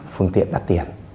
phương tiện đặt tiền